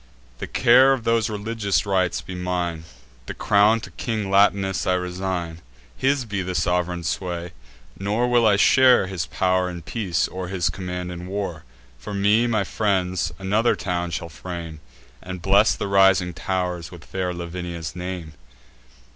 The care of those religious rites be mine; The crown to King Latinus I resign: His be the sov'reign sway. Nor will I share His pow'r in peace, or his command in war. For me, my friends another town shall frame, And bless the rising tow'rs with fair Lavinia's name."